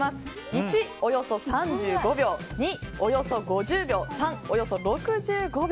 １、およそ３５秒２、およそ５０秒３、およそ６５秒。